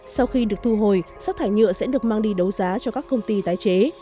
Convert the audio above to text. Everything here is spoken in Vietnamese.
sau khi được thu hồi rác thải nhựa sẽ được mang đi đấu giá cho các công ty tái chế